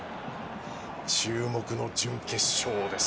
注目の準決勝です。